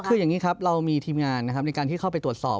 คืออย่างนี้ครับเรามีทีมงานนะครับในการที่เข้าไปตรวจสอบ